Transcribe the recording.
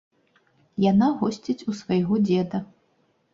Яна госціць у свайго дзеда.